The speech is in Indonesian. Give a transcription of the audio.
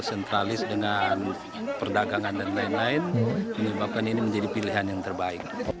sentralis dengan perdagangan dan lain lain menyebabkan ini menjadi pilihan yang terbaik